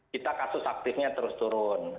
kita kasus aktifnya terus turun